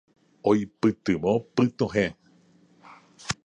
Oipytyvõ pytuhẽ.